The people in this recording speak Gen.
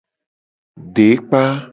Dekpa.